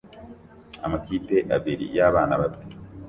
Amakipe abiri y'abana bato